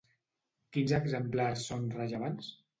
Quins exemplars són rellevants?